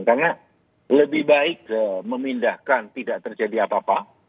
karena lebih baik memindahkan tidak terjadi apa apa